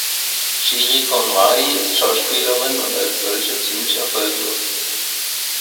Shiri Conradi ist Schauspielerin und als solche ziemlich erfolglos.